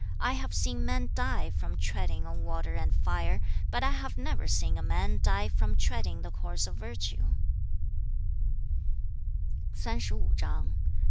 I have seen men die from treading on water and fire, but I have never seen a man die from treading the course of virtue.'